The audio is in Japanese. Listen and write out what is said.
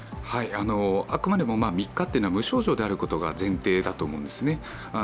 あくまでも、３日っていうのは無症状であることが前提だと思うんですね。